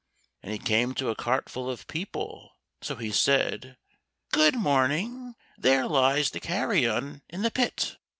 And he came to a cart full of people, so he said, "Good morning, there lies the carrion in the pit!"